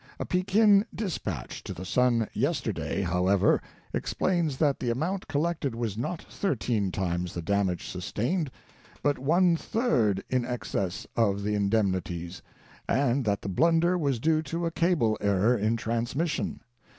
A Pekin dispatch to the Sun yesterday, however, explains that the amount collected was not thirteen times the damage sustained, but one third in excess of the indemnities, and that the blunder was due to a cable error in transmission.